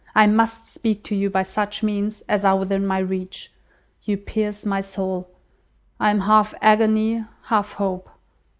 I must speak to you by such means as are within my reach. You pierce my soul. I am half agony, half hope.